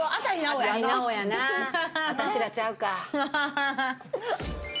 私らちゃうか。